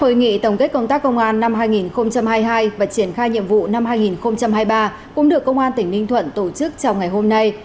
hội nghị tổng kết công tác công an năm hai nghìn hai mươi hai và triển khai nhiệm vụ năm hai nghìn hai mươi ba cũng được công an tỉnh ninh thuận tổ chức trong ngày hôm nay